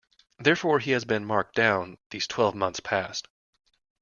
Therefore he has been marked down these twelve months past.